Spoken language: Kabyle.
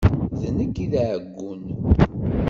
D nekk i d aɛeggun.